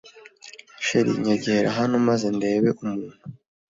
Chr nyegera hano maze ndebe umuntu